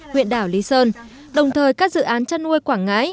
huyện đảo lý sơn đồng thời các dự án chăn nuôi quảng ngãi